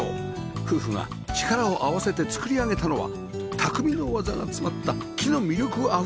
夫婦が力を合わせて造り上げたのは匠の技が詰まった木の魅力あふれる家